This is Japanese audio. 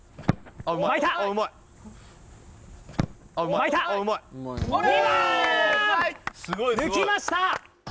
巻いた、２番抜きました！